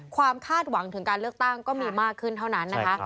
คาดหวังถึงการเลือกตั้งก็มีมากขึ้นเท่านั้นนะคะ